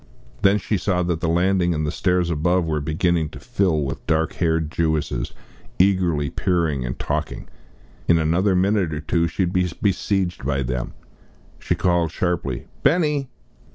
Then she saw that the landing and the stairs above were beginning to fill with dark haired Jewesses, eagerly peering and talking. In another minute or two she would be besieged by them. She called sharply, "Benny!"